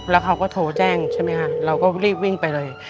แล้วเขาก็โทรแจ้งใช่ไหมคะเราก็รีบวิ่งไปเลย